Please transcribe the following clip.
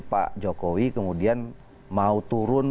pak jokowi kemudian mau turun